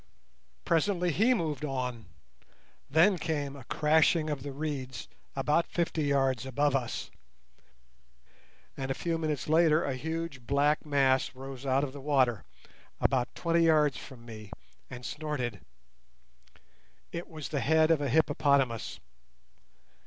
Presently he moved on, then came a crashing of the reeds about fifty yards above us, and a few minutes later a huge black mass rose out of the water, about twenty yards from me, and snorted. It was the head of a hippopotamus.